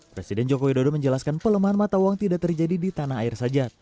presiden joko widodo menjelaskan pelemahan mata uang tidak terjadi di tanah air saja